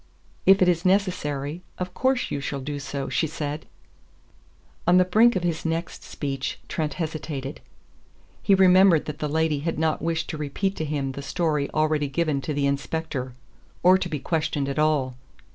"If it is necessary, of course you shall do so," she said. On the brink of his next speech Trent hesitated. He remembered that the lady had not wished to repeat to him the story already given to the inspector or to be questioned at all.